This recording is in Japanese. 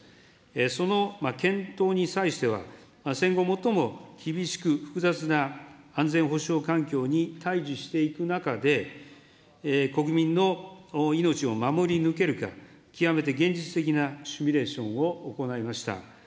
その検討に際しては、戦後最も厳しく複雑な安全保障環境に対じしていく中で、国民の命を守り抜けるか、極めて現実的なシミュレーションを行いました。